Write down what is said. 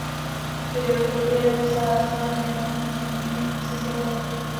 Videoklip je záznamem jednoho z vystoupení Lindsey Stirling.